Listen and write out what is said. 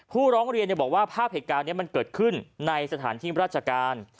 ร้องเรียนบอกว่าภาพเหตุการณ์นี้มันเกิดขึ้นในสถานที่ราชการ